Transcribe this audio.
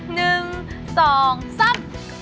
หนึ่งสองสาม